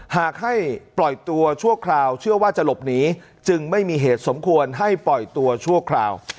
หากให้ปล่อยตัวชั่วคราวเชื่อว่าจะหลบหนีจึงไม่มีเหตุสมควรให้ปล่อยตัวชั่วคราว